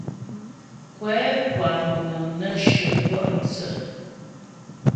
Kwɛ kwa moŋəŋ nə́ shyə kwɔ' dsə.